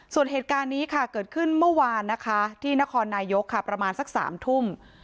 ส่วนเหตุการณ์นี้ค่ะเกิดขึ้นเมื่อวานนะคะที่นครนายกค่ะประมาณสัก๓ทุ่ม